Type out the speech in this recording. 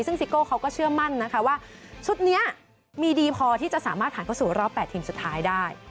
ซึ่งซิโก้เขาก็เชื่อมั่นนะคะว่าชุดนี้มีดีพอที่จะสามารถผ่านเข้าสู่รอบ๘ทีมสุดท้ายได้